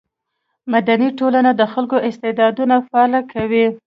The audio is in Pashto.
مدني ټولنې د خلکو استعدادونه فعاله کوي.